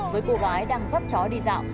với cô gái đang dắt chó đi dạo